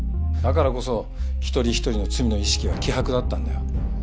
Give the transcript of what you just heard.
だからこそ一人一人の罪の意識は希薄だったんだよ。